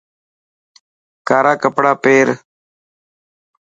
ڪارا ڪپڙا پير.